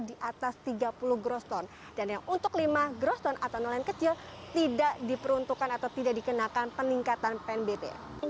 di atas tiga puluh groston dan yang untuk lima groston atau nelayan kecil tidak diperuntukkan atau tidak dikenakan peningkatan pnbp